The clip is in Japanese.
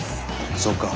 そうか。